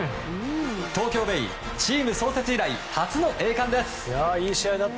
東京ベイ、チーム創設以来初の栄冠です。